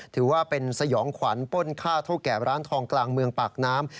ถือว่าเป็นสยองขวัญป้นค่าเท่าแก่ร้านทองกลางเมืองปากน้ำ